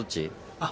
・あっ